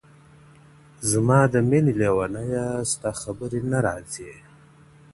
زما د ميني ليونيه، ستا خبر نه راځي.